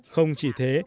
không chỉ thế